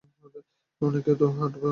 অনেকে তো হাটার সময় কথা বলে।